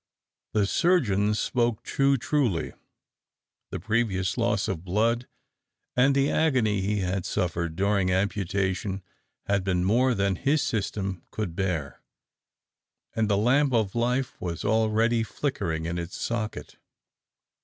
The surgeon spoke too truly; the previous loss of blood, and the agony he had suffered during amputation, had been more than his system could bear, and the lamp of life was already flickering in its socket.